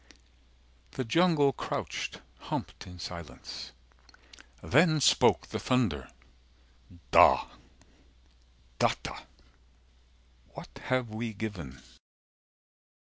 The jungle crouched, humped in silence. Then spoke the thunder DA 400 Datta: what have we given?